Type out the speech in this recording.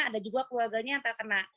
ada juga keluarganya yang terkena